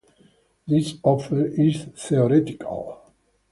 This offer is "theoretical".